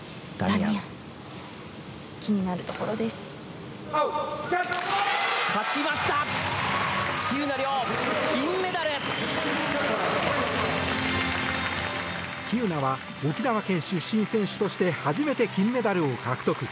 喜友名は沖縄県出身選手として初めて金メダルを獲得。